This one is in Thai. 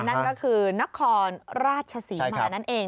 นั่นก็คือนครราชศรีมานั่นเอง